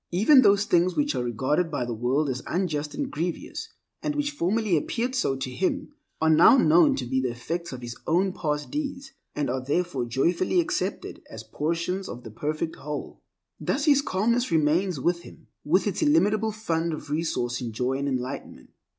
Even those things which are regarded by the world as unjust and grievous (and which formerly appeared so to him) are now known to be the effects of his own past deeds, and are therefore joyfully accepted as portions of the perfect whole. Thus his calmness remains with him with its illimitable fund of resource in joy and enlightenment.